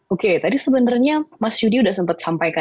oke tadi sebenarnya mas yudi sudah sempat sampaikan